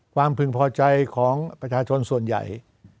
พึงพอใจของประชาชนส่วนใหญ่